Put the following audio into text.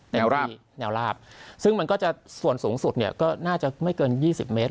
แนวลาบซึ่งมันก็จะส่วนสูงสุดเนี่ยก็น่าจะไม่เกิน๒๐เมตร